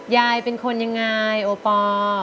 ยายเป็นคนยังไงโอปอล์